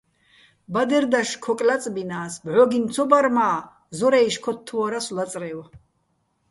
ბადერ დაშ ქოკ ლაწბინა́ს, ბჵოგინო̆ ცო ბარ მა́ ზორა́ჲში̆ ქოთთვო́რასო̆ ლაწრევ.